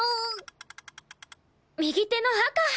右手の赤。